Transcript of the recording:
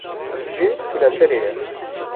ji Tulenderê ye